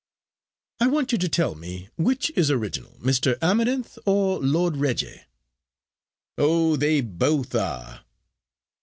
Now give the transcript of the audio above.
"I want you to tell me which is original, Mr. Amarinth or Lord Reggie?" "Oh! they both are."